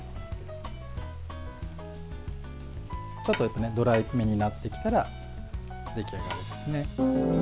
ちょっとドライめになってきたら出来上がりですね。